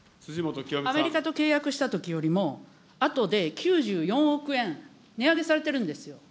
アメリカと契約したときよりも、あとで９４億円値上げされてるんですよ。